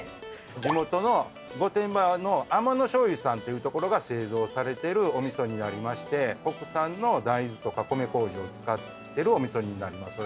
地元の御殿場の天野醤油さんっていうところが製造されてるお味噌になりまして国産の大豆とか米こうじを使ってるお味噌になります。